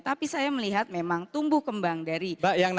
tapi saya melihat memang tumbuh kembang dari bayi tersebut